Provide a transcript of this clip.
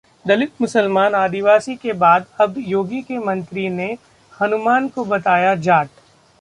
दलित-मुसलमान, आदिवासी के बाद अब योगी के मंत्री ने हनुमान को बताया जाट